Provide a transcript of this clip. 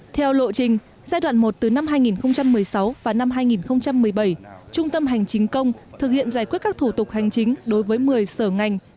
theo lộ trình giai đoạn một từ năm hai nghìn một mươi sáu và năm hai nghìn một mươi bảy trung tâm hành chính công thực hiện giải quyết các thủ tục hành chính đối với một mươi sở ngành